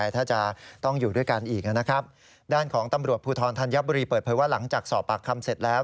ตรวจภูทรธัญญบุรีเปิดเผยว่าหลังจากสอบปากคำเสร็จแล้ว